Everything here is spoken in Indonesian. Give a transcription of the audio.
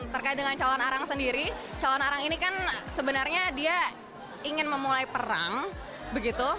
terkait dengan calon arang sendiri calon arang ini kan sebenarnya dia ingin memulai perang begitu